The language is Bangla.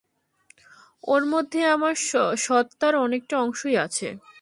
ওর মধ্যে আমার স্বত্বার অনেকটা অংশই আছে।